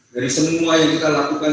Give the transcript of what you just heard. dari semua yang kita lakukan